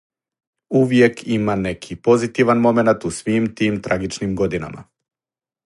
Увијек има неки позитиван моменат у свим тим трагичним годинама.